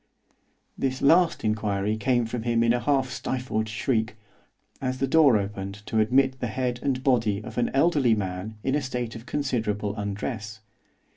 _' This last inquiry came from him in a half stifled shriek, as the door opened to admit the head and body of an elderly man in a state of considerable undress.